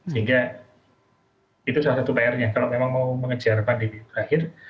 sehingga itu salah satu pr nya kalau memang mau mengejar pandemi terakhir